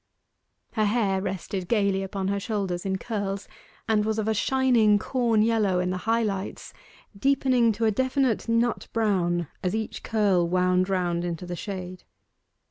Her hair rested gaily upon her shoulders in curls and was of a shining corn yellow in the high lights, deepening to a definite nut brown as each curl wound round into the shade.